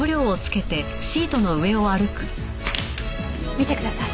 見てください。